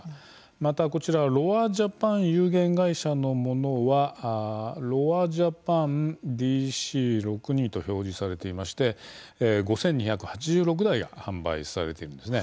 またロワ・ジャパン有限会社のものはＲＯＷＡ・ＪＡＰＡＮＤＣ６２と表示されていまして５２８６台が販売されています。